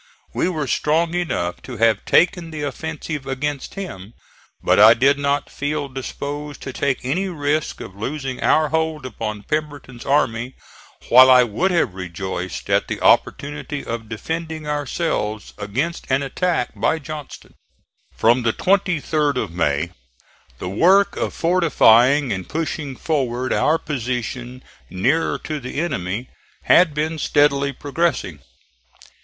We were strong enough to have taken the offensive against him; but I did not feel disposed to take any risk of losing our hold upon Pemberton's army, while I would have rejoiced at the opportunity of defending ourselves against an attack by Johnston. From the 23d of May the work of fortifying and pushing forward our position nearer to the enemy had been steadily progressing.